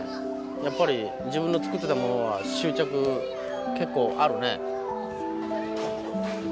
やっぱり自分の作ってたものが執着結構あるね。